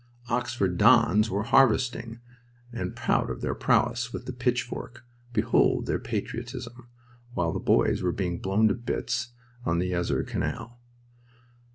Oxford dons were harvesting, and proud of their prowess with the pitchfork behold their patriotism! while the boys were being blown to bits on the Yser Canal.